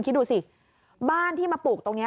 คิดดูสิบ้านที่มาปลูกตรงนี้